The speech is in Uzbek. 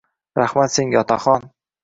Rahmat senga, otaxon.